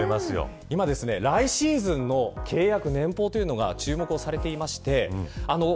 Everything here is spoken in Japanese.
今、来シーズンの契約年俸が注目されています。